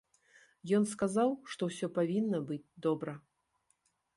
Ён сказаў, што ўсё павінна быць добра.